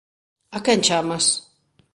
A quen chamas?